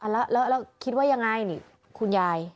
แล้วคิดว่ายังไงนี่คุณยาย